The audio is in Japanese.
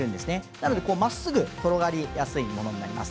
なので、まっすぐ転がりやすいものになります。